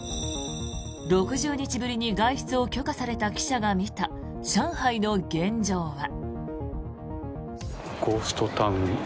６０日ぶりに外出を許可された記者が見た上海の現状は。